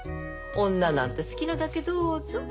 女なんて好きなだけどうぞ。